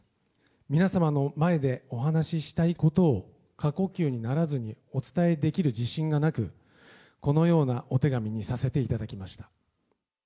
皆様の前でお話したいことを、過呼吸にならずにお伝えできる自信がなく、このようなお手紙にさせていただきました。